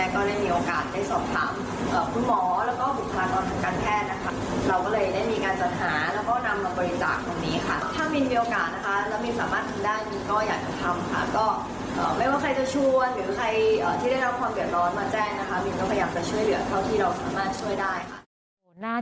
ก็เพิ่มขึ้นจำนวนมากในทุกวันนะคะ